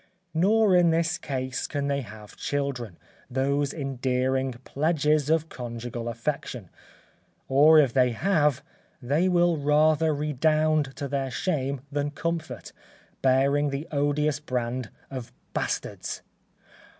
Nor in this case can they have children, those endearing pledges of conjugal affection; or if they have, they will rather redound to their shame than comfort, bearing the odious brand of bastards.